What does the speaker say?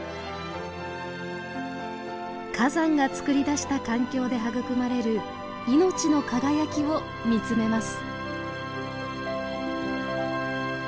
火山がつくり出した環境で育まれる命の輝きを見つめます。